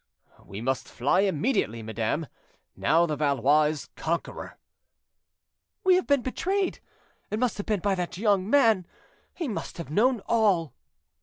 "We must fly immediately, madame, now the Valois is conqueror." "We have been betrayed; it must have been by that young man, he must have known all."